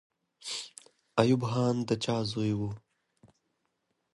ایوب خان د چا زوی وو؟